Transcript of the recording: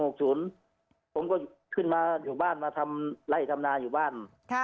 ผมก็ขึ้นมาอยู่บ้านมาทำไล่ทำนาอยู่บ้าน